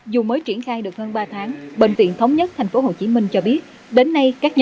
dù mới triển khai được hơn ba tháng bệnh viện thống nhất tp hcm cho biết